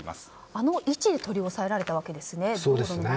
あの位置で取り押さえられたわけですね。